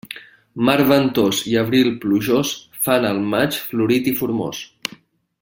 Març ventós i abril plujós fan el maig florit i formós.